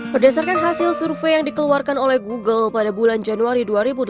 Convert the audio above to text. berdasarkan hasil survei yang dikeluarkan oleh google pada bulan januari dua ribu delapan belas